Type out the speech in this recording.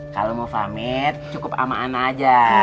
kalau mau pamit cukup aman aja